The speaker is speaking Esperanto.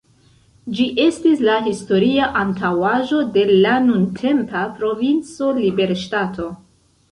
Ĝi estis la historia antaŭaĵo de la nuntempa Provinco Liberŝtato.